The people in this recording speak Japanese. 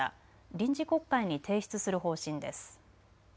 臨時国会に提出する方針です。